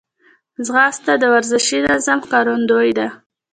ځغاسته د ورزشي نظم ښکارندوی ده